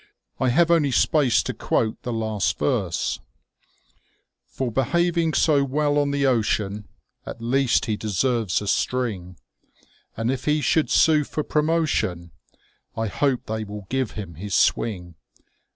I have only space to quote the last verse :—For behaving so well on the ocean, At least he deserves a string, And if he should sue for promotion, I hope they will give him his swing.